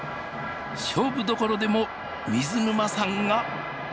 勝負どころでも水沼さんが。